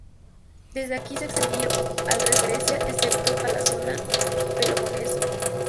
Desde aquí se extendieron al resto de Grecia excepto a la zona del Peloponeso.